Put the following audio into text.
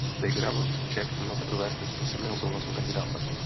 Background check nelze provést bez písemného souhlasu kandidáta.